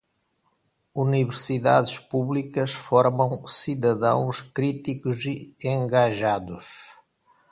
Universidades públicas formam cidadãos críticos e engajados.